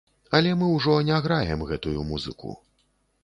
Але мы ўжо не граем гэтую музыку.